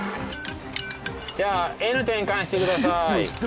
じゃあＮ転換してください。